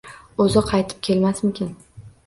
O’zi qaytib kelmasmikin